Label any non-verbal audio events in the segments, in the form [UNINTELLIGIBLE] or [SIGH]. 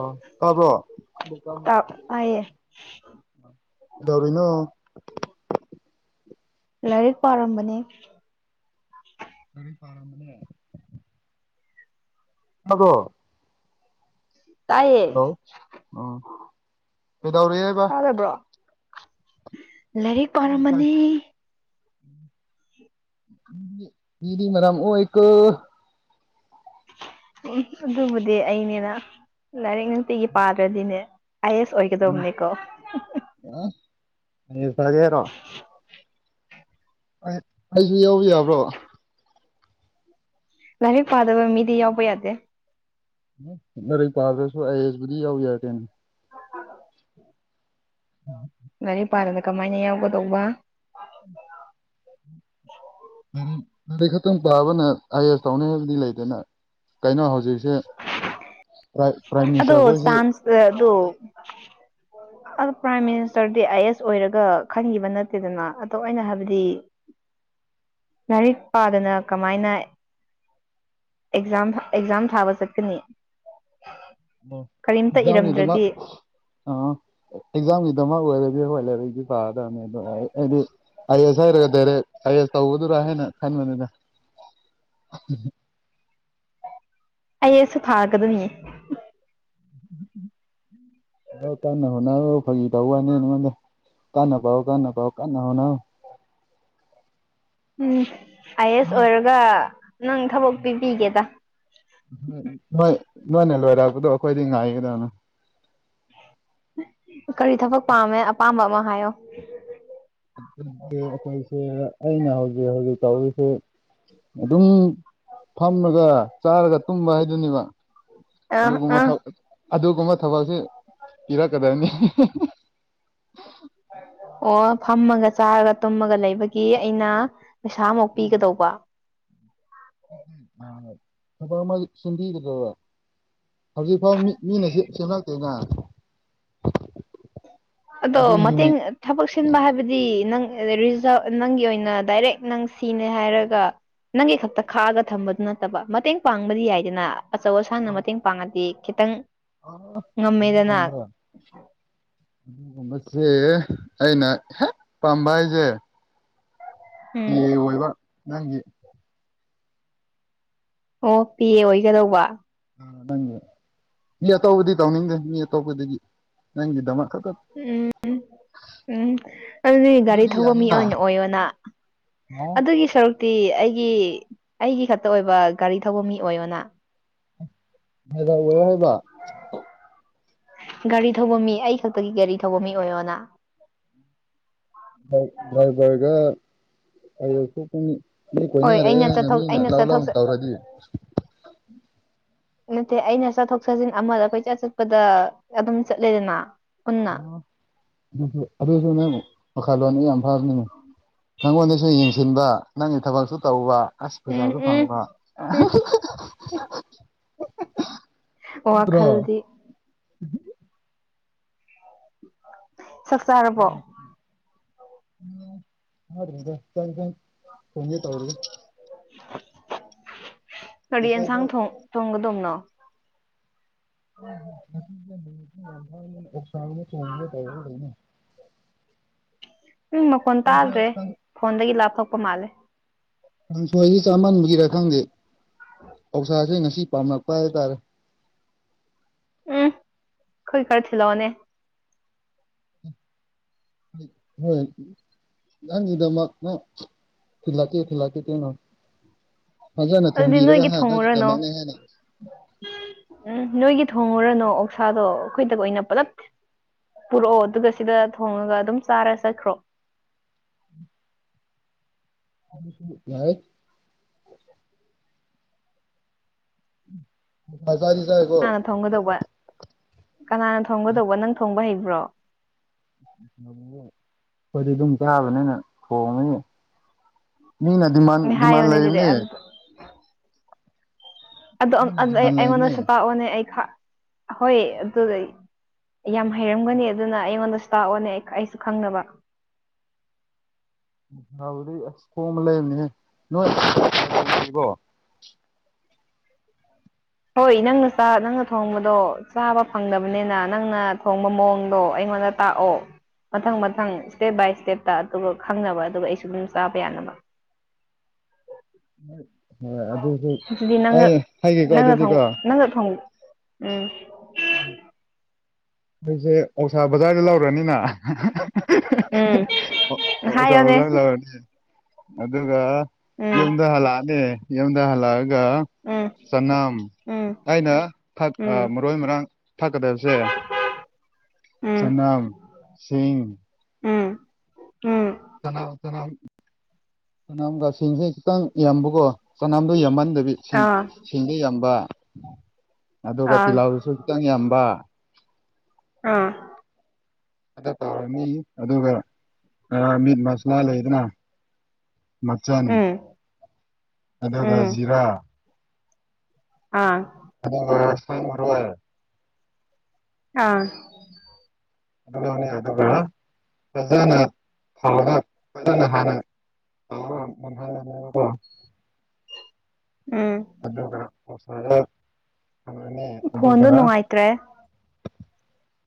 ꯑ ꯇꯥꯕ꯭ꯔꯣ ꯇꯥꯞ ꯇꯥꯏꯌꯦ ꯗꯧꯔꯤꯅꯣ ꯂꯥꯏꯔꯤꯛ ꯄꯥꯔꯝꯕꯅꯦ ꯂꯥꯢꯔꯤꯛ ꯄꯥꯔꯝꯕꯅꯦ꯫ ꯑꯗꯣ ꯀꯥꯏꯌꯦ ꯍꯜꯂꯣ ꯑꯣ ꯀꯗꯧꯔꯦ ꯇꯥꯕ꯭ꯔꯣ ꯂꯥꯏꯔꯤꯛ ꯄꯥꯔꯝꯃꯅꯤ ꯏꯗꯤ ꯃꯗꯥꯝ ꯑꯣ ꯏ ꯎꯝ ꯑꯗꯨꯕꯨꯗꯤ ꯑꯩꯅꯦꯅ ꯂꯥꯏꯔꯤꯛ ꯅꯨꯡꯇꯤꯒꯤ ꯄꯥꯗ꯭ꯔꯗꯤꯅꯦ ꯑꯥꯏ ꯑꯦꯁ ꯑꯣꯏꯒꯗꯕꯅꯦꯀꯣ ꯑꯁꯒꯦꯔꯣ 'Inaudible' ꯑꯩꯗꯤ ꯌꯥꯎꯕ ꯌꯥꯕ꯭ꯔꯣ ꯂꯥꯏꯔꯤꯛ ꯄꯥꯗꯕ ꯃꯤꯗꯤ ꯌꯥꯎꯕ ꯌꯥꯗꯦ ꯅꯔꯩ ꯄꯥꯗ꯭ꯔꯁꯨ ꯑꯩꯕꯨꯗꯤ ꯌꯥꯎ ꯌꯥꯏꯀꯩꯟ [INAUDIBLE] ꯂꯥꯢꯔꯤꯛ ꯄꯥꯗꯅ ꯀꯃꯥꯢꯅ ꯌꯥꯎꯒꯗꯧꯕ ꯂꯥꯏꯔꯤꯛ ꯈꯛꯇꯪ ꯄꯥꯕꯅ ꯑꯥꯏ ꯑꯦꯁ ꯇꯧꯅꯤ ꯍꯥꯏꯕꯗꯤ ꯂꯩꯗꯦꯅ ꯀꯩꯅꯣ ꯍꯧꯖꯤꯛꯁꯦ ꯄ꯭ꯔꯥꯏꯝ ꯑꯗꯣ ꯃꯤꯅꯤꯁꯇꯔ ꯈꯣꯏꯁꯦ ꯁꯥꯁ ꯑꯗꯨ ꯑ ꯄ꯭ꯔꯥꯏꯝ ꯃꯤꯅꯤꯁꯇꯔꯗꯤ ꯑꯥꯏ ꯑꯦꯁ ꯑꯣꯏꯔꯒ ꯈꯟꯈꯤꯕ ꯅꯠꯇꯦꯗꯅ ꯑꯗꯣ ꯑꯩꯅ ꯍꯥꯏꯕꯗꯤ ꯂꯥꯢꯔꯤꯛ ꯄꯥꯗꯅ ꯀꯃꯥꯢꯅ ꯑꯦꯛꯖꯥꯝ ꯑꯦꯛꯖꯥꯝ ꯊꯥꯕ ꯆꯠꯀꯅꯤ ꯑꯣ ꯀꯔꯤꯝꯇ ꯏꯗꯥꯎꯒꯤꯗꯃꯛ ꯏꯔꯝꯗ꯭ꯔꯗꯤ ꯑꯥ ꯏꯒꯖꯥꯝꯒꯤꯗꯃꯛ ꯑꯣꯢꯔꯗꯤ ꯍꯣꯢ ꯂꯩꯔꯦꯒꯦ [UNINTELLIGIBLE] ꯑ ꯑꯦꯁ ꯍꯥꯏꯔꯒꯗꯦꯔꯦ ꯑ ꯑꯦꯁ ꯇꯧꯕꯗꯨꯔꯥ ꯍꯥꯏꯅ ꯈꯟꯕꯅꯤꯗ ꯑꯥ ꯑꯦꯁ ꯊꯥꯒꯗꯣꯏꯅꯤ [INAUDIBLE] ꯑꯧ ꯀꯥꯟꯅ ꯍꯣꯠꯅꯧ ꯐꯥꯒꯤ ꯇꯧꯋꯥꯅꯦ ꯅꯉꯣꯟꯗ ꯀꯟꯅ ꯄꯥꯎ ꯀꯟꯅ ꯄꯥꯎ ꯀꯥꯟꯅ ꯍꯣꯠꯅꯧ ꯑꯥꯏ ꯑꯦꯁ ꯅꯣꯏ ꯑꯣꯏꯔꯒ ꯅꯪ ꯊꯕꯛ ꯄꯤꯕꯤꯒꯦꯗ ꯅꯣꯏ ꯅꯣꯏꯅ ꯂꯣꯏꯔꯛꯄꯗꯣ ꯑꯩꯈꯣꯏꯗꯤ ꯉꯥꯏꯒꯗꯅ ꯀꯔꯤ ꯊꯕꯛ ꯄꯥꯝꯃꯦ ꯑꯄꯥꯝꯕ ꯑꯃ ꯍꯥꯏꯌꯣ [UNINTELLIGIBLE] ꯑꯈꯣꯢꯁꯦ ꯑꯩꯅ ꯍꯧꯖꯤꯛ ꯍꯧꯖꯤꯛ ꯇꯧꯔꯤꯁꯦ ꯑꯗꯨꯝ ꯐꯝꯃꯒ ꯆꯥꯔꯒ ꯇꯨꯝꯕ ꯍꯥꯢꯗꯨꯅꯦꯕ ꯑꯥ ꯑꯗꯨꯒꯨꯝꯕ ꯑꯥ ꯊ ꯑꯗꯨꯒꯨꯝꯕ ꯊꯕꯛꯁꯦ ꯄꯤꯔꯛꯀꯗꯔꯅꯦ ꯑꯣ ꯐꯥꯝꯃꯒ ꯆꯥꯔꯒ ꯇꯨꯝꯃꯒ ꯂꯩꯕꯒꯤ ꯑꯩꯅ ꯄꯩꯁꯥꯃꯨꯛ ꯄꯤꯒꯗꯧꯕ ꯊꯕꯛ ꯑꯃ ꯁꯤꯟꯕꯤ [UNINTELLIGIBLE] ꯍꯧꯖꯤꯛ ꯐꯥꯎ ꯃꯤ ꯃꯤꯅ ꯁꯤ ꯁꯤꯡꯉꯛꯇꯦꯅ ꯑꯗꯣ ꯑꯗꯨ ꯌꯨꯅꯤꯠ [UNINTELLIGIBLE] ꯊꯕꯛ ꯁꯤꯟꯕ ꯍꯥꯏꯕꯗꯤ ꯅꯪ ꯔꯤꯖꯥ ꯅꯪꯒꯤ ꯑꯣꯏꯅ ꯗꯥꯏꯔꯦꯛ ꯅꯪ ꯁꯤꯅꯦ ꯍꯥꯏꯔꯒ ꯅꯪꯒꯤ ꯈꯛꯇ ꯈꯥꯛꯑꯒ ꯊꯝꯕꯗꯨ ꯅꯠꯇꯕ ꯃꯇꯦꯡ ꯄꯥꯡꯕꯗꯤ ꯌꯥꯏꯗꯅ ꯑꯆꯧ ꯑꯁꯥꯟꯅ ꯃꯇꯦꯡ ꯄꯥꯡꯉꯗꯤ ꯈꯤꯇꯪ ꯉꯝꯃꯦꯗꯅ [UNINTELLIGIBLE] ꯗꯨꯒꯨꯝꯕꯁꯦ ꯑꯩꯅ ꯍꯦꯛ ꯄꯥꯝꯕ ꯍꯥꯏꯁꯦ ꯄꯤ ꯎꯝ ꯑꯦ ꯑꯣꯏꯕ ꯅꯪꯒꯤ ꯑꯣ ꯄꯦ ꯑꯣꯏꯒꯗꯧꯕ ꯅꯪꯒꯤ ꯃꯤ ꯑꯇꯧꯕꯗꯤ ꯇꯧꯅꯤꯡꯗꯦ ꯃꯤ ꯑꯇꯣꯞꯄꯗꯒꯤ ꯅꯪꯒꯤꯗꯃꯛ ꯈꯛꯇ ꯎꯝ ꯎꯝ ꯑꯗꯨꯗꯤ ꯒꯥꯔꯤ ꯊꯧꯕ ꯃꯤ ꯑꯣꯏꯅ ꯑꯣꯏꯌꯣꯅ ꯑꯗꯨꯒꯤ ꯁꯔꯨꯛꯇꯤ ꯑꯩꯒꯤ ꯑꯩꯒꯤ ꯈꯛꯇ ꯑꯣꯏꯕ ꯒꯥꯔꯤ ꯊꯧꯕ ꯃꯤ ꯑꯣꯏꯌꯣꯅ [UNINTELLIGIBLE] ꯒꯥꯔꯤ ꯊꯧꯕ ꯃꯤ ꯑꯩ ꯈꯛꯇꯒꯤ ꯒꯥꯔꯤ ꯊꯧꯕ ꯃꯤ ꯑꯣꯏꯌꯣꯅ [UNINTELLIGIBLE] ꯗ꯭ꯔꯥꯢꯕꯔꯒ [UNINTELLIGIBLE] ꯃꯤ ꯍꯣꯏ ꯀꯣꯏꯅꯔꯦ ꯑꯩꯅ ꯍꯥꯏꯅ ꯆꯠꯊꯣꯛ ꯃꯤꯅ ꯑꯩꯅ ꯂꯧꯎ ꯆꯠꯊꯣꯛ ꯂꯥꯎꯅ ꯇꯧꯔꯗꯤ [INAUDIBLE] ꯅꯠꯇꯦ ꯑꯩꯅ ꯆꯠꯊꯣꯛ ꯆꯠꯖꯤꯟ ꯑꯃꯗ ꯀꯣꯢꯆꯠ ꯆꯠꯄꯗ ꯑꯗꯨꯝ ꯆꯠꯂꯦꯗꯅ ꯄꯨꯟꯅ [UNINTELLIGIBLE] ꯑꯗꯨꯁꯨ ꯑꯗꯨꯁꯨꯅꯦ ꯃꯈꯥꯂꯣꯟꯅꯤ ꯌꯥꯝ ꯐꯥꯔꯅꯤꯅꯦ ꯅꯪꯉꯣꯟꯗꯁꯨ ꯌꯦꯡꯁꯤꯟꯕ ꯅꯪꯒꯤ ꯊꯕꯛꯁꯨ ꯇꯧꯕ ꯑꯁ ꯎꯝ ꯄꯩꯖꯥꯖꯨ ꯎꯝ ꯐꯪꯕ ꯎꯝ [UNINTELLIGIBLE] ꯅꯠꯇ꯭ꯔꯣ ꯋꯥꯈꯜꯗꯤ [UNINTELLIGIBLE] ꯆꯥꯔꯕꯣ [UNINTELLIGIBLE] [UNINTELLIGIBLE] ꯊꯣꯡꯒꯦ ꯇꯧꯔꯤꯌꯦ ꯀꯔꯤ ꯌꯦꯟꯁꯥꯡ ꯉꯁꯥꯏꯗꯣ ꯊꯣꯡ ꯊꯣꯡꯒꯗꯧꯕꯅꯣ [UNINTELLIGIBLE] ꯎꯝ ꯃꯈꯣꯟ ꯀꯥꯡꯁꯣꯏ ꯇꯥꯗ꯭ꯔꯦ ꯐꯣꯟꯗꯒꯤ ꯂꯥꯞꯊꯣꯛꯄ ꯃꯥꯜꯂꯦ꯫ ꯀꯡꯁꯣꯏꯖꯤ ꯆꯥꯃꯟꯕꯒꯤꯔ ꯈꯪꯗꯦ ꯑꯣꯛꯁꯥꯖꯦ ꯉꯁꯤ ꯄꯥꯝꯂꯛꯄ ꯍꯥꯏꯇꯥꯔꯦ ꯎꯝ ꯑꯩꯈꯣꯏ ꯈꯔ ꯊꯤꯜꯂꯛꯑꯣꯅꯦ [UNINTELLIGIBLE] ꯅꯍꯪꯒꯤꯗꯃꯛ ꯅ ꯊꯤꯜꯂꯛꯀꯦ ꯊꯤꯜꯂꯛꯀꯦ ꯇꯦꯡꯅꯣ ꯐꯖꯅ ꯑꯗꯨꯗꯤ ꯊꯣꯡꯕꯤꯔꯒ ꯅꯣꯏꯒꯤ ꯍ ꯊꯣꯡꯉꯨꯔꯅꯣ ꯅꯪꯒꯤꯗꯃꯛꯅꯦ ꯍꯥꯏꯅ ꯎꯝ ꯅꯣꯏꯒꯤ ꯊꯣꯡꯉꯨꯔꯅꯨ ꯑꯣꯛꯁꯥꯗꯣ ꯑꯩꯈꯣꯏꯗꯒ ꯑꯣꯏꯅ ꯄꯨꯜꯂꯞ ꯄꯨꯔꯛꯑꯣ ꯑꯗꯨꯒ ꯁꯤꯗ ꯊꯣꯡꯉꯒ ꯑꯗꯨꯝ ꯆꯥꯔ ꯆꯠꯈ꯭ꯔꯣ [UNINTELLIGIBLE] ꯑꫭꯛꯁꯥ ꯆꯥꯗꯤ ꯆꯥꯏꯌꯦꯀꯣ ꯀꯅꯥꯅ ꯊꯣꯡꯒꯗꯧꯕ ꯀꯅꯥꯅ ꯊꯣꯡꯒꯗꯧꯕ ꯅꯪ ꯊꯣꯡꯕ ꯍꯩꯕ꯭ꯔꯣ [INAUDIBLE] ꯑꯩꯈꯣꯏꯗꯤ ꯑꯗꯨꯝ ꯆꯥꯕꯅꯤꯅ ꯊꯣꯡꯉꯅꯤ ꯃꯤꯅ ꯗꯤꯃꯥꯟ ꯗꯤꯃꯥꯟ ꯍꯥꯏꯌꯣꯅꯦ ꯑꯗꯨꯗꯤ ꯂꯩꯕꯅꯦ ꯑꯗꯨ ꯃꯤꯅ [UNINTELLIGIBLE] ꯗꯤꯃꯥꯟ ꯂꯩꯕꯅꯦ ꯑꯩꯉꯣꯟꯗꯁꯨ ꯄꯥꯛꯑꯣꯅꯦ ꯑꯩ ꯍꯣꯏ ꯑꯗꯨꯗꯤꯩ ꯌꯥꯝ ꯍꯩꯔꯝꯒꯅꯤ ꯑꯗꯨꯅ ꯑꯩꯉꯣꯟꯗꯁꯨ ꯇꯥꯛꯑꯣꯅꯦ ꯑꯩꯁꯨ ꯈꯪꯅꯕ [UNINTELLIGIBLE] ꯍꯣꯏ ꯅꯪꯅ ꯆꯥ ꯅꯪꯅ ꯊꯣꯡꯕꯗꯣ ꯆꯥꯕ ꯐꯪꯗꯕꯅꯤꯅ ꯅꯪꯅ ꯊꯣꯡꯕ ꯃꯑꯣꯡꯗꯣ ꯑꯩꯉꯣꯟꯗ ꯇꯥꯛꯑꯣ ꯃꯊꯪ ꯃꯊꯪ ꯏꯁ꯭ꯇꯦꯞ ꯕꯥꯏ ꯏꯁ꯭ꯇꯦꯞꯇ ꯑꯗꯨꯒ ꯈꯪꯅꯕ ꯑꯗꯨꯒ ꯑꯩꯁꯨ ꯑꯗꯨꯝ ꯆꯥꯕ ꯌꯥꯅꯕ [UNINTELLIGIBLE] ꯑꯗꯨꯗꯤ ꯅꯪ ꯑꯩ ꯍꯥꯏꯒꯦꯀꯣ ꯅꯪ ꯑꯗꯨꯗꯤꯀꯣ ꯅꯪꯅ ꯊꯣꯡ ꯎꯝ ꯑꯩꯁꯦ ꯑꯣꯛꯁꯥ ꯕꯖꯥꯔ ꯂꯧꯔꯅꯤꯅ ꯑꫭ ꯎꯝ ꯑꫭꯔꯗꯔ ꯍꯥꯏꯌꯣꯅꯦ ꯑꯣꯔꯗꯔ ꯂꯧꯔꯅꯤ ꯑꯗꯨꯒ ꯎꯝ ꯌꯨꯝꯗ ꯍꯜꯂꯛꯑꯅꯤ ꯌꯨꯝꯗ ꯍꯜꯂꯛꯑꯒ ꯒ ꯎꯝ ꯆꯅꯝ ꯎꯝ ꯑꯩꯅ ꯊꯛ ꯎꯝ ꯃꯔꯣꯏ ꯃꯔꯥꯡ ꯊꯛꯀꯗꯕꯁꯦ ꯎꯝ ꯆꯅꯝ ꯁꯤꯡ ꯎꯝ ꯎꯝ [UNINTELLIGIBLE] ꯆꯅꯝꯒꯥꯁꯤꯡꯁꯦ ꯈꯤꯇꯪ ꯌꯥꯝꯕꯀꯣ ꯆꯅꯥꯝꯗꯣ ꯌꯝꯃꯟꯗꯕꯤ ꯁꯤꯡ ꯑꯥ ꯁꯤꯡꯗꯤ ꯌꯥꯝꯕ ꯑꯗꯨꯒ ꯑꯥ ꯇꯤꯜꯂꯧꯁꯨ ꯈꯤꯇꯪ ꯌꯥꯝꯕ ꯑꯥ ꯑ ꯇꯧꯔꯅꯤ ꯑꯗꯨꯒ ꯃꯤꯠ ꯃꯁꯂꯥ ꯂꯩꯗꯅ ꯃꯆꯟ ꯎꯝ ꯑꯗꯨꯒ ꯎꯝ ꯖꯤꯔꯥ ꯑꯥ [UNINTELLIGIBLE] ꯑꯥ ꯑꯗꯨꯅꯤ ꯑꯗꯨꯒ ꯐꯖꯥꯅ ꯊꯥꯎꯗ ꯐꯖꯥꯅ ꯍꯥꯟꯅ [UNINTELLIGIBLE] ꯎꯝ ꯑꯗꯨꯒ [UNINTELLIGIBLE] ꯊꯝꯃꯅꯤ ꯈꯣꯟꯗꯣ ꯑꯗꯨꯒ ꯅꯨꯡꯉꯥꯏꯇ꯭ꯔꯦ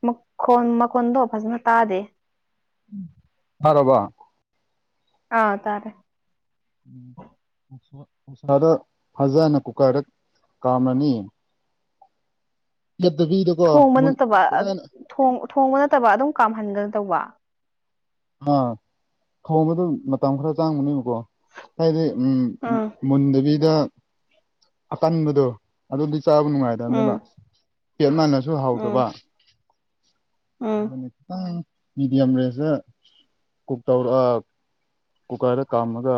ꯃꯈꫭꯟ ꯃꯈꯣꯟꯗꯣ ꯐꯖꯅ ꯇꯥꯗꯦ ꯇꯥꯔꯕꯣ ꯑꯥ ꯇꯥꯔꯦ ꯑꫭꯛꯁꯥꯗ ꯐꯖꯥꯅ ꯀꯨꯀꯔꯗ ꯀꯥꯝꯂꯅꯤ ꯂꯦꯞꯇꯕꯤꯗꯣ ꯊꯣꯡꯕ ꯅꯠꯇꯕ ꯊꯣꯡꯕ ꯅꯠꯇꯕ ꯑꯗꯨꯝ ꯀꯥꯝꯍꯟꯒꯅ ꯇꯧꯕ ꯑꯥ ꯊꯣꯡꯕꯗ ꯃꯇꯝ ꯈꯔ ꯆꯡꯕꯅꯦꯕꯀꯣ ꯍꯥꯏꯗꯤ ꯎꯝ ꯃꯨꯟꯗꯕꯤꯗ ꯑꯀꯟꯕꯗꯣ ꯑꯗꯨꯗꯤ ꯆꯥꯕ ꯅꯨꯡꯉꯥꯏ ꯎꯝ ꯅꯦꯕ ꯄꯦꯠꯃꯟꯅꯁꯨ ꯎꯝ ꯍꯥꯎꯗꯕ ꯎꯝ ꯑꯗꯨꯅꯤꯇꯥ ꯃꯤꯗꯤꯌꯝ ꯔꯦꯁ ꯀꯨꯛ ꯇꯧꯔꯣ [UNINTELLIGIBLE] ꯀꯨꯀꯔꯗ ꯀꯥꯝꯃꯒ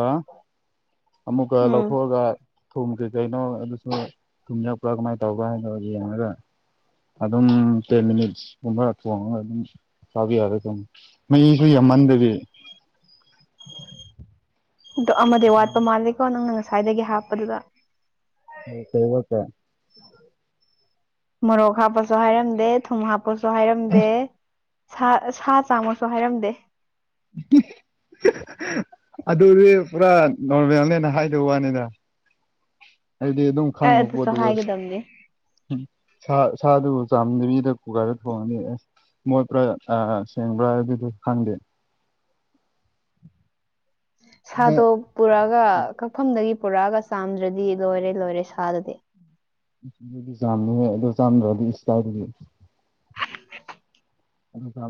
ꯑꯃꯨꯛꯀ ꯎꯝ ꯂꯧꯊꯣꯑꯒ ꯊꯨꯝ ꯀꯩ ꯀꯩꯅꯣ ꯑꯗꯨꯁꯨ ꯊꯨꯝꯌꯥꯛꯄ꯭ꯔꯥ ꯀꯃꯥꯏꯅ ꯇꯧꯕ꯭ꯔꯥ ꯍꯥꯏꯅꯣ ꯌꯦꯡꯉꯒ ꯑꯗꯨꯝ ꯇꯦꯟ ꯃꯤꯅꯤꯠꯀꯨꯝꯕ ꯊꯣꯡꯉꯒ ꯑꯗꯨꯝ ꯆꯥꯕ ꯌꯥꯔꯦ ꯑꯗꯨꯝ ꯃꯍꯤꯁꯨ ꯌꯥꯝꯃꯟꯗꯕꯤ ꯑꯗꯣ ꯑꯃꯗꯤ ꯋꯥꯠꯄ ꯃꯥꯜꯂꯦꯀꯣ ꯅꯪꯅ ꯉꯁꯥꯏꯗꯒꯤ ꯍꯥꯞꯄꯗꯨꯗ [UNINTELLIGIBLE] ꯃꯣꯔꯣꯛ ꯍꯥꯞꯄꯣꯁꯨ ꯍꯥꯏꯔꯝꯗꯦ ꯊꯨꯝ ꯍꯥꯞꯄꯣꯁꯨ ꯍꯥꯏꯔꯝꯗꯦ ꯁꯥ ꯁꯥ ꯆꯥꯝꯃꯣꯁꯨ ꯍꯥꯢꯔꯝꯗꯦ ꯑꯗꯨꯗꯤ ꯄꯨꯔꯥ ꯅꯣꯔꯃꯦꯜꯅꯦꯅ ꯍꯥꯏꯗꯕ ꯋꯥꯅꯤꯗ ꯑꯩꯗꯤ ꯑꯗꯨꯝ ꯑꯩ ꯈꯪꯉꯕ ꯑꯗꯨꯁꯨ ꯄꯣꯠꯕꯨ ꯑꯁ ꯍꯥꯏꯒꯗꯕꯅꯦ ꯎꯝ ꯁꯥ ꯁꯥꯗꯨꯕꯨ ꯆꯥꯝꯗꯕꯤꯗ ꯀꯨꯀꯔꯗ ꯊꯣꯡꯉꯅꯤ ꯑꯁ ꯃꯣꯏ ꯄꯨꯔꯥ ꯁꯦꯡꯕ꯭ꯔꯥ ꯑꯗꯨꯗꯨ ꯈꯪꯗꯦ ꯁꯥꯗꯣ ꯄꯨꯔꯛꯑꯒ ꯀꯛꯐꯝꯗꯒꯤ ꯄꯨꯔꯛꯑꯒ ꯆꯥꯝꯗ꯭ꯔꯗꯤ ꯂꯣꯏꯔꯦ ꯂꯣꯏꯔꯦ ꯁꯥꯗꯨꯗꯤ ꯆꯥꯝꯃꯦꯍꯦ ꯑꯗꯨ ꯆꯥꯝꯗ꯭ꯔꯗꯤ ꯏꯁ ꯀꯥꯏꯗꯒꯤ [UNINTELLIGIBLE] ꯑꯗꯨꯒ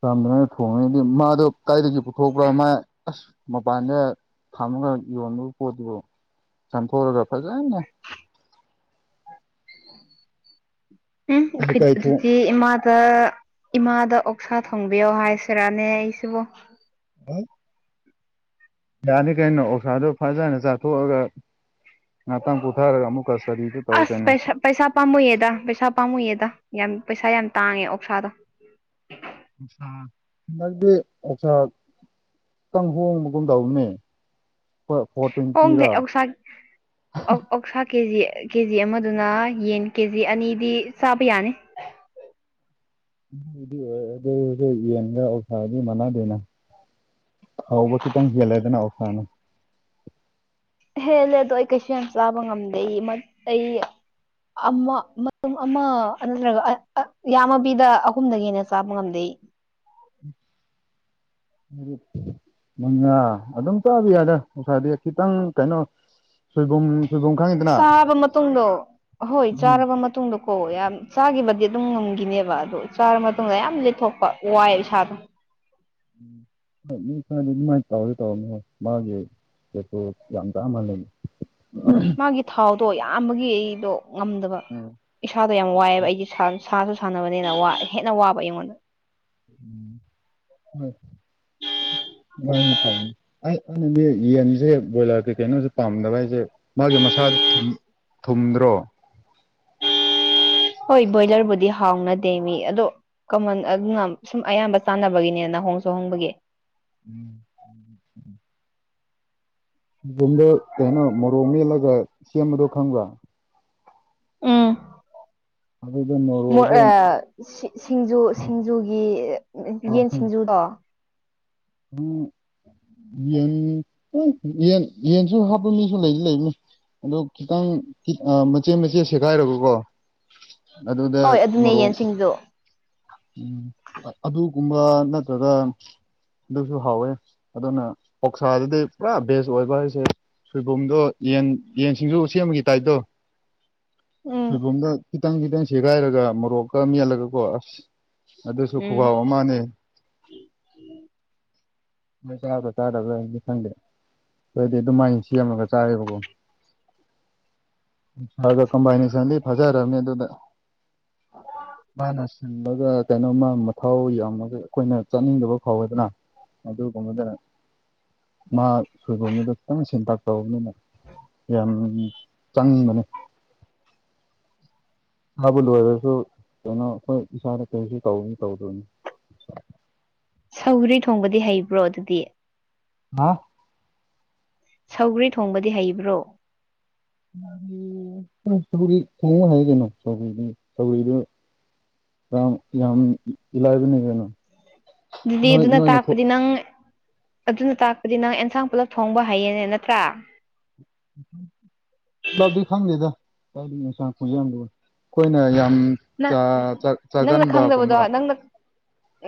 ꯆꯥꯝꯗꯅꯅ ꯊꯣꯡꯉꯗꯤ ꯃꯥꯗꯣ ꯀꯗꯥꯥꯏꯗꯒꯤ ꯄꯨꯊꯣꯛꯄ꯭ꯔꯥ ꯃꯥꯥꯏ ꯑꯁ ꯃꯄꯥꯟꯗꯥ ꯊꯝꯃꯒ ꯌꯣꯟꯕ ꯄꯣꯠꯇꯨꯕꯨ ꯆꯥꯝꯊꯣꯛꯑꯒ ꯐꯖꯅꯥ ꯎꯝ ꯀꯥꯏ ꯑꯩꯈꯣꯏ ꯀꯥꯏ ꯊꯣꯛ ꯑꯗꯨꯗꯤ ꯏꯃꯥ ꯏꯃꯥꯗ ꯑꯣꯛꯁꯥ ꯊꯣꯡꯕꯤꯌꯣ ꯍꯥꯏꯁꯤꯔꯥꯅꯦ ꯑꯩꯁꯤꯕꯨ [UNINTELLIGIBLE] ꯌꯥꯅꯤ ꯀꯩꯅꯣ ꯑꯣꯁꯥꯗꯣ ꯐꯖꯅ ꯆꯥꯊꯣꯛꯑꯒ ꯉꯥꯛꯇꯪ ꯀ ꯄꯨꯊꯔꯒ ꯑꯃꯨꯛ ꯀꯁꯇꯗꯤꯗꯨ ꯇꯧ ꯑꯁ ꯀꯩꯅꯣ ꯄꯩꯁꯥ ꯄꯩꯁꯥ ꯄꯥꯝꯃꯨꯏꯌꯦꯗ ꯄꯩꯁꯥ ꯄꯥꯝꯃꯨꯏꯌꯦꯗ ꯌꯥꯝ ꯄꯩꯁꯥ ꯌꯥꯝ ꯇꯥꯡꯉꯦ ꯑꯣꯛꯁꯥꯗꯣ [UNINTELLIGIBLE] ꯈꯤꯇꯪ ꯍꯣꯡꯕꯒꯨꯝ ꯇꯧꯅꯦ ꯐꯣꯔ ꯍꯣꯡꯗꯦ ꯇ꯭ꯋꯦꯟꯇꯤꯔ ꯑꯣꯛꯁꯥ ꯑꯣꯛꯁꯥ ꯀꯦ ꯖꯤ ꯀꯦ ꯖꯤ ꯑꯃꯗꯨꯅ ꯌꯦꯟ ꯀꯦ ꯖꯤ ꯑꯅꯤꯗꯤ ꯆꯥꯕ ꯌꯥꯅꯤ ꯑꯗꯨꯗꯤ ꯑꯣꯏꯔꯁꯨ ꯌꯦꯟꯒ ꯑꯣꯛꯁꯥꯒꯗꯤ ꯃꯥꯟꯅꯗꯦꯗꯅ ꯍꯥꯎꯖ ꯈꯤꯇꯪ ꯍꯦꯟꯂꯦꯗꯅ ꯑꯣꯛꯁꯥꯅ ꯍꯦꯜꯂꯦ ꯑꯗꯣ ꯑꯩ ꯀꯩꯁꯨ ꯌꯥꯝ ꯆꯥꯕ ꯉꯝꯗꯦ ꯑꯩ ꯑꯃ ꯃꯇꯨꯝ ꯑꯃ ꯅꯠꯇ꯭ꯔꯒ ꯑ ꯐ ꯌꯥꯝꯃꯕꯤꯗ ꯑꯍꯨꯝꯗꯒꯤ ꯍꯦꯟꯅ ꯆꯥꯕ ꯉꯝꯗꯦ [UNINTELLIGIBLE] ꯃꯉꯥ ꯑꯗꯨꯝ ꯆꯥꯕ ꯌꯥꯗ ꯉꯁꯥꯗꯤ ꯈꯤꯇꯪ ꯀꯩꯅꯣ ꯁꯣꯏꯕꯨꯝ ꯁꯣꯏꯕꯨꯝ ꯈꯪ ꯆꯥꯔꯕ ꯃꯇꯨꯡꯗꯣ ꯍꯣꯏ ꯎꯝ ꯆꯥꯔꯕ ꯃꯇꯨꯡꯗꯣ ꯑꯣ ꯌꯥꯝ ꯆꯥꯈꯤꯕꯗꯤ ꯑꯗꯨꯝ ꯉꯝꯈꯤꯅꯦꯕ ꯑꯗꯣ ꯆꯥꯔ ꯃꯇꯨꯡꯗ ꯌꯥꯝ ꯂꯤꯦꯠꯊꯣꯛꯄ ꯋꯥꯏꯑ ꯏꯁꯥꯗꯣ [UNINTELLIGIBLE] ꯌꯥꯝ [UNINTELLIGIBLE] ꯃꯥꯒꯤ ꯊꯥꯎꯗꯣ ꯌꯥꯝꯕꯒꯤ ꯑꯩꯗꯣ ꯉꯝꯗꯕ ꯎꯝ ꯏꯁꯥꯗꯣ ꯌꯥꯝ ꯋꯥꯏꯑꯦꯕ ꯑꯩꯗꯤ ꯁꯥꯁꯨ ꯁꯥꯟꯅꯕꯅꯤꯅ ꯍꯦꯟꯅ ꯋꯥꯕ ꯑꯩꯉꯣꯟꯗ [UNINTELLIGIBLE] ꯑꯩ ꯑꯩꯅꯅꯦ ꯌꯦꯟꯁꯦ ꯕꯣꯏꯂꯔ ꯀꯩꯅꯣꯁꯨ ꯄꯥꯝꯗꯕ ꯍꯥꯏꯁꯦ ꯃꯥꯒꯤ ꯃꯁꯥꯗꯨ ꯊꯨꯝ ꯊꯨꯝꯗ꯭ꯔꯣ ꯍꯣꯏ ꯕꯣꯏꯂꯔꯕꯨꯗꯤ ꯍꯥꯎꯅꯗꯦ ꯃꯤ ꯑꯗꯣ ꯀꯃꯟ ꯑꯗꯨꯅ ꯁꯨꯝ ꯑꯌꯥꯝꯕ ꯆꯥꯟꯅꯕꯒꯤꯅꯦꯅꯥ ꯍꯣꯡꯁꯨ ꯍꯣꯡꯕꯒꯤ [INAUDIBLE] [UNINTELLIGIBLE] ꯀꯩꯅꯣ ꯃꯣꯔꯣꯛ ꯃꯦꯜꯂꯒ ꯁꯦꯝꯕꯗꯣ ꯈꯪꯕ꯭ꯔꯥ ꯎꯝ ꯑꯗꯨꯗꯣ [UNINTELLIGIBLE] ꯁꯤꯡꯖꯨ ꯁꯤꯡꯖꯨꯒꯤ ꯌꯦꯟ ꯁꯤꯡꯖꯨꯗꯣ ꯎꯝ ꯌꯦꯟ ꯎ ꯌꯦꯟ ꯌꯦꯟꯁꯨ ꯍꯥꯞꯄ ꯃꯤꯁꯨ ꯂꯩꯗꯤ ꯂꯩꯅꯤ ꯑꯗꯣ ꯈꯤꯇꯪ ꯃꯆꯦꯠ ꯃꯆꯦꯠ ꯁꯦꯒꯥꯏꯔꯒꯀꯣ ꯑꯗꯨꯗ ꯍꯣꯏ ꯑꯗꯨꯅꯦ ꯃꯣꯔꯣꯛ ꯌꯦꯟꯁꯤꯡꯖꯨ ꯑꯗꯨꯒꯨꯝꯕ ꯅꯠꯇ꯭ꯔꯒ ꯑꯗꯨꯁꯨ ꯍꯥꯎꯋꯦ ꯑꯗꯨꯅ ꯑꯣꯛꯁꯥꯗꯗꯤ ꯄꯨꯔꯥ ꯕꯦꯁ ꯑꯣꯏꯕ ꯍꯥꯏꯁꯦ ꯁꯣꯏꯕꯨꯝꯗꯣ ꯌꯦꯟ ꯌꯦꯟꯁꯤꯡꯖꯨ ꯁꯦꯝꯕꯒꯤ ꯇꯥꯏꯞꯇꯣ ꯎꯝ ꯁꯣꯏꯕꯨꯝꯗ ꯈꯤꯇꯪ ꯈꯤꯇꯪ ꯁꯦꯒꯥꯏꯔꯒ ꯃꯣꯔꯣꯛꯀ ꯃꯦꯜꯂꯒꯀꯣ ꯑꯁ ꯑꯗꯨꯁꯨ ꯎꯝ ꯈꯨꯍꯥꯎ ꯑꯃꯅꯦ ꯅꯣꯏ ꯆꯥꯕ꯭ꯔꯥ ꯆꯥꯗꯕ꯭ꯔꯥꯗꯤ ꯈꯪꯗꯦ ꯑꯗꯣꯏꯗꯤ ꯑꯗꯨꯃꯥꯏꯅ ꯁꯦꯝꯃꯒ ꯆꯥꯏꯌꯦꯕꯀꯣ ꯐꯒ ꯀꯝꯕꯥꯏꯅꯦꯁꯟꯗꯤ ꯐꯖꯔꯅꯤ ꯑꯗꯨꯗ [UNINTELLIGIBLE] ꯃꯥꯅ ꯁꯤꯟꯕꯒ ꯀꯩꯅꯣꯝꯃ ꯃꯊꯥꯎ ꯌꯥꯝꯕꯒ ꯑꯩꯈꯣꯏꯅ ꯆꯠꯅꯤꯡꯗꯕ ꯐꯥꯎꯋꯦꯗꯅ ꯑꯗꯨꯒꯨꯝꯕꯗꯨꯅ ꯃꯥ ꯁꯣꯏꯕꯨꯝꯗꯣ ꯈꯤꯇꯪ ꯁꯦꯟꯇꯥꯛ ꯇꯧꯕꯅꯤꯅ ꯌꯥꯝ ꯆꯪꯕꯅꯦ ꯍꯥꯏꯕ ꯂꯣꯏꯔꯁꯨ ꯀꯩꯅꯣ ꯑꯩꯈꯣꯏ ꯏꯁꯥꯗ ꯀꯩꯁꯨ ꯇꯧꯅꯤ ꯇꯧꯗꯣꯏꯅꯤ ꯁꯧꯒ꯭ꯔꯤ ꯊꯣꯡꯕꯗꯤ ꯍꯩꯕ꯭ꯔꯣ ꯑꯗꯨꯗꯤ ꯍꯥ ꯁꯧꯒ꯭ꯔꯤ ꯊꯣꯡꯕꯗꯤ ꯍꯩꯕ꯭ꯔꯣ ꯎꯝ ꯁꯧꯒ꯭ꯔꯤ ꯊꯣꯡꯕ ꯍꯩꯌꯦ ꯀꯩꯅꯣ ꯁꯧꯒ꯭ꯔꯤꯗꯤ ꯁꯧꯒ꯭ꯔꯤꯗꯨ ꯌꯥꯝ ꯌꯥꯝ ꯏꯂꯥꯏꯕꯅꯦ ꯀꯩꯅꯣ ꯑꯗꯨꯗꯤ ꯅꯣꯏ ꯑꯗꯨꯅ ꯅꯣꯏꯅ ꯊꯣꯛ ꯇꯥꯛꯄꯗꯤ ꯅꯪ ꯑꯗꯨꯅ ꯇꯥꯛꯄꯗꯤ ꯅꯪ ꯑꯦꯟꯁꯥꯡ ꯄꯨꯂꯞ ꯊꯣꯡꯕ ꯍꯩꯌꯦꯅꯦ ꯅꯠꯇ꯭ꯔꯥ [UNINTELLIGIBLE] ꯈꯪꯗꯦꯗ [UNINTELLIGIBLE] ꯏꯟꯁꯥꯡ ꯈꯨꯌꯥꯝꯗꯨꯒ ꯈꯣꯏꯅ ꯌꯥꯝ ꯅ ꯆꯥ ꯆꯥ ꯅꯪ ꯈꯪꯗꯕꯗꯣ ꯆꯥꯒꯟꯕꯒꯨꯝꯕ ꯅꯪꯅ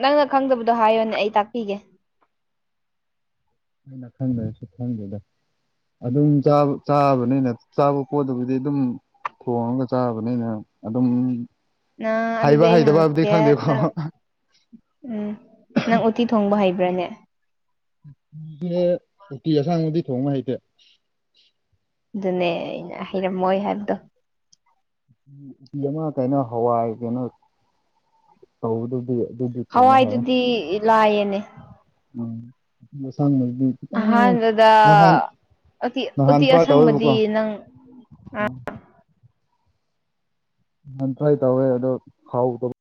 ꯅꯪꯅ ꯈꯪꯗꯕꯗꯣ ꯍꯥꯏꯌꯣꯅꯦ ꯑꯩ ꯇꯥꯛꯄꯤꯒꯦ ꯑꯩꯅ ꯈꯪꯗꯔꯁꯨ ꯈꯪꯗꯦꯗ ꯑꯗꯨꯝ ꯆꯥꯕ ꯆꯥꯕꯅꯤꯅ ꯆꯥꯕ ꯄꯣꯠꯇꯨꯕꯨꯗꯤ ꯑꯗꯨꯝ ꯊꯣꯡꯔꯒ ꯆꯥꯕꯅꯤꯅ ꯑꯗꯨꯝ ꯅꯪ ꯑꯗꯨꯗꯤ ꯍꯩꯕ ꯑꯩ ꯍꯩꯇꯕ ꯕꯨꯗꯤ ꯍꯪꯉꯛꯀꯦ ꯈꯪꯗꯦꯀꯣ ꯅꯪ [UNINTELLIGIBLE] ꯎꯝ ꯅꯪ ꯎꯇꯤ ꯊꯣꯡꯕ ꯍꯩꯕ꯭ꯔꯥꯅꯦ [UNINTELLIGIBLE] ꯁꯦ ꯎꯇꯤ ꯑꯁꯪꯕꯗꯤ ꯊꯣꯡꯕ ꯍꯩꯇꯦ ꯑꯗꯨꯅꯦ ꯑꯩꯅ ꯍꯩꯔꯝꯃꯣꯏ ꯍꯥꯏꯕꯗꯣ ꯎꯇꯤ ꯑꯃ ꯀꯩꯅꯣ ꯍꯋꯥꯏ ꯀꯩꯅꯣ ꯇꯧꯕꯗꯨꯗꯤ [UNINTELLIGIBLE] ꯗꯤ ꯊꯣꯡꯕ ꯍꯩꯌꯦ ꯍꯋꯥꯏꯗꯨꯗꯤ ꯂꯥꯏꯌꯦꯅꯦ ꯎꯝ ꯎꯇꯤ ꯑꯁꯪꯕꯗꯨꯗꯤ ꯎꯝ ꯑꯍꯥꯟꯕꯗ ꯅꯍꯥꯟ ꯎꯇꯤ ꯅꯍꯥꯟ ꯎꯇꯤ ꯇ꯭ꯔꯥꯏ ꯇꯧꯋꯦꯕꯀꯣ ꯑꯁꯪꯕꯗꯤ ꯅꯪ ꯅꯍꯥꯟ ꯇ꯭ꯔꯥꯏ ꯇꯧꯋꯦ ꯑꯗꯣ ꯍꯥꯎꯇꯕ